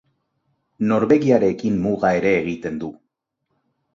Norvegiarekin muga ere egiten du.